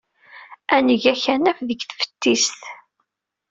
Ad neg akanaf deg teftist.